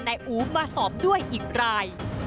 อู๋มาสอบด้วยอีกราย